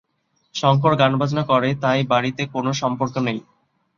শঙ্কর গান বাজনা করে তাই বাড়িতে কোন সম্পর্ক নেই।